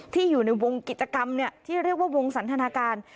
ที่อยู่ในวงกิจกรรมที่เรียกว่าวงสันทนาการ